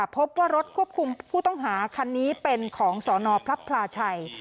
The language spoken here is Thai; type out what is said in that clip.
พบว่ารถควบคุมผู้ต้องหาคันนี้เป็นของสนพระพลาชัย